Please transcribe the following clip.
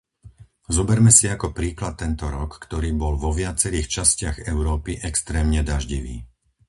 Zoberme si ako príklad tento rok, ktorý bol vo viacerých častiach Európy extrémne daždivý.